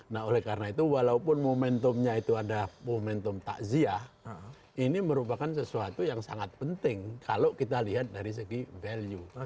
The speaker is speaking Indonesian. nah oleh karena itu walaupun momentumnya itu ada momentum takziah ini merupakan sesuatu yang sangat penting kalau kita lihat dari segi value